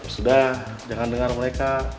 sudah jangan dengar mereka